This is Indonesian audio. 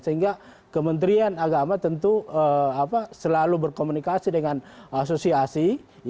sehingga kementerian agama tentu selalu berkomunikasi dengan asosiasi